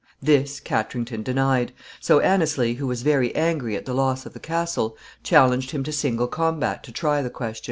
This Katrington denied; so Anneslie, who was very angry at the loss of the castle, challenged him to single combat to try the question.